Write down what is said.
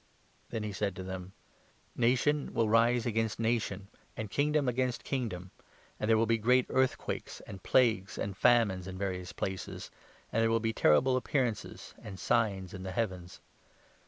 Then he said to them : 10 "' Nation will rise against nation and kingdom against kingdom,' and there will be great earthquakes, and plagues n and famines in various places, and there will be terrible appearances and signs in the heavens.